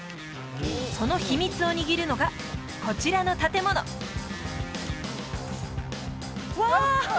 その秘密を握るのがこちらの建物わあ！